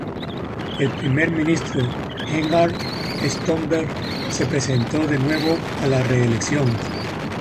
El Primer Ministro Gerhard Stoltenberg se presentó de nuevo a la reelección.